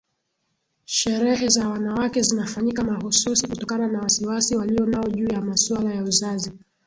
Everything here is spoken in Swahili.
Sherehe za wanawake zinafanyika mahususi kutokana na wasiwasi walionao juu ya masuala ya uzazi